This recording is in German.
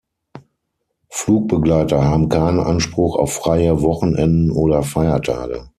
Flugbegleiter haben keinen Anspruch auf freie Wochenenden oder Feiertage.